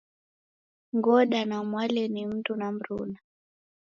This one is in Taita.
Ngoda na Mwale ni mdu na mruna.